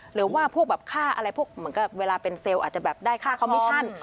หรือว่าพวกแบบค่าอะไรพวกเหมือนกับเวลาเป็นเซลล์อาจจะแบบได้ค่าคอมมิชั่น